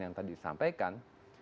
yang tadi disampaikan